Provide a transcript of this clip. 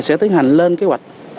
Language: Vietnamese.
sẽ tiến hành lên kế hoạch